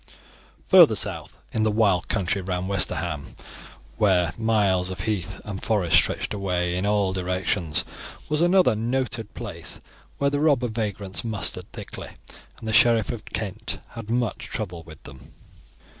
Further south, in the wild country round Westerham, where miles of heath and forest stretched away in all directions, was another noted place where the robber vagrants mustered thickly, and the Sheriff of Kent had much trouble with them.